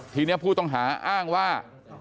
ทีนี้ผู้ต้องหาอ้างว่า